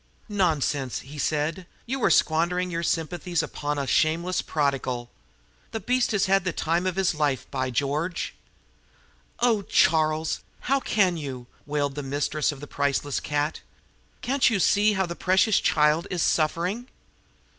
"Nonsense!" said he. "You are squandering your sympathies upon a shameless prodigal. The beast has had the time of his life, by George!" "Oh, Charles, how can you?" wailed the mistress of the priceless cat. "Can't you see how the precious child is suffering?"